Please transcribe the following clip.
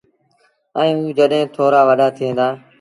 ائيٚݩ او جڏهيݩ ٿورآ وڏآ ٿيٚن دآ۔